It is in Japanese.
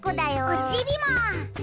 オチビも！